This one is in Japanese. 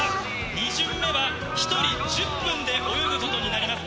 ２巡目が１人１０分で泳ぐことになります。